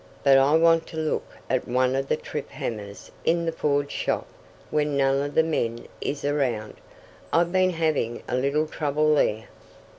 "But I want to look at one of the trip hammers in the forge shop when none of the men is around. I've been having a little trouble there."